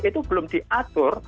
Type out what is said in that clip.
itu belum diatur